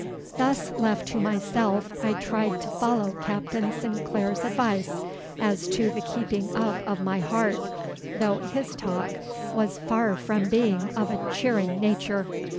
Thus left to myself I tried to follow Captain Sinclair's advice as to the keeping up of my heart, though his talk was far from being of a cheering nature.